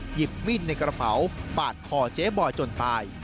หยิบมีดในกระเป๋าปาดคอเจ๊บอยจนตาย